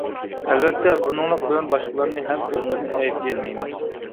ئەلۋەتتە بۇنىڭلىق بىلەن باشقىلارنى ھەم ئۆزىمىزنى ئەيىبلىيەلمەيمىز.